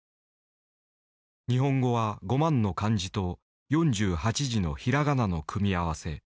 日本語は５万の漢字と４８字のひらがなの組み合わせ。